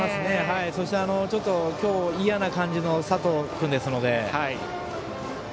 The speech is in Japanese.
そして、ちょっと嫌な感じの佐藤君ですので。